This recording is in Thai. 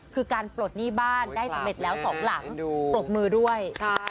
คือการปลดหนี้บ้านได้สำเร็จแล้วสองหลังปรบมือด้วย